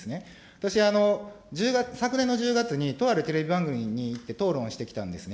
私、昨年の１０月にとあるテレビ番組に行って討論してきたんですね。